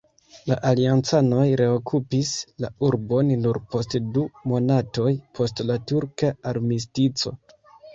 La aliancanoj reokupis la urbon nur post du monatoj, post la turka armistico.